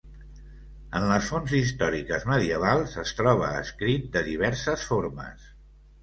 En les fonts històriques medievals, es troba escrit de diverses formes.